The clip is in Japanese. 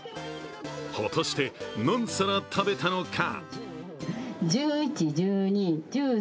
果たして何皿食べたのか？